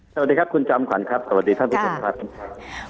สวัสดีครับคุณจำขวัญครับสวัสดีครับคุณจำครับ